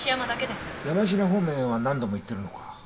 山科方面へは何度も行ってるのか。